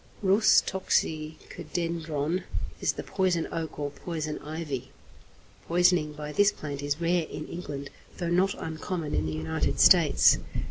=Rhus toxicodendron= is the poison oak or poison ivy. Poisoning by this plant is rare in England, though not uncommon in the United States.